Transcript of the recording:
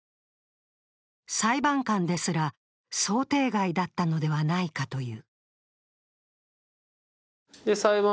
裁判官ですら想定外だったのではないかという。